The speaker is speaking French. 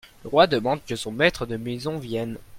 le roi demande que son maître de maison vienne.